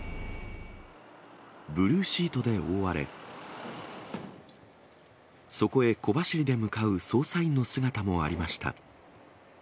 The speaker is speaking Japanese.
ブルーシートで覆われ、そこへ小走りで向かう捜査員の姿もありました。